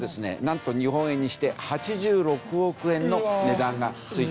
なんと日本円にして８６億円の値段がついてます。